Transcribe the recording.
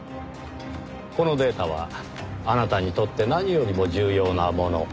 このデータはあなたにとって何よりも重要なもの。